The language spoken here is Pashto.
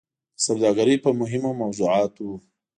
د سوداګرۍ په مهمو موضوعاتو